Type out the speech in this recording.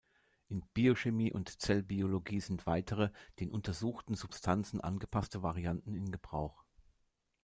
In Biochemie und Zellbiologie sind weitere, den untersuchten Substanzen angepasste Varianten in Gebrauch.